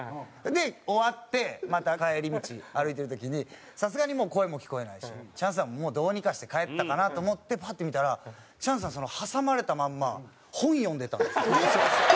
で終わってまた帰り道歩いてる時にさすがにもう声も聞こえないしチャンスさんどうにかして帰ったかなと思ってパッて見たらチャンスさん挟まれたまんま本読んでたんですって。